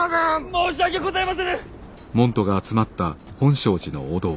申し訳ございませぬ！